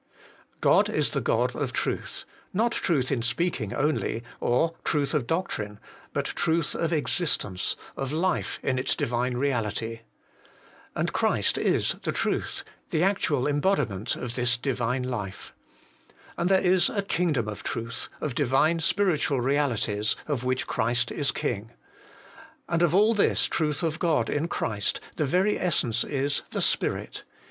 1. God Is the God of truth not truth in speaking only, or truth of doctrine but truth of existence, or life in Its Diuine reality. And Christ is the truth ; the actual embodiment of this Diuine life. And there is a kingdom of truth, of Divine Spiritual realities, of which Christ is King. And of all this truth of Qod in Christ, the very essence is, the Spirit.